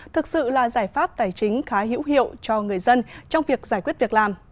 thực sự là giải pháp tài chính khá hữu hiệu cho người dân trong việc giải quyết việc làm